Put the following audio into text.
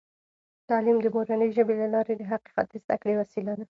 تعلیم د مورنۍ ژبې له لارې د حقیقت د زده کړې وسیله ده.